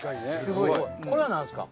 すごい。これは何ですか？